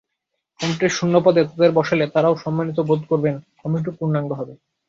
কমিটির শূন্য পদে তাঁদের বসালে তাঁরাও সম্মানিতবোধ করবেন, কমিটিও পূর্ণাঙ্গ হবে।